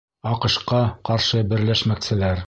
АҠШ-ҡа ҡаршы берләшмәкселәр